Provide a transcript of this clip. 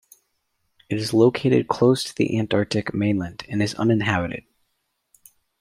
It is located close to the Antarctic mainland and is uninhabited.